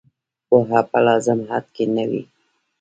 پوهه په لازم حد کې نه وي.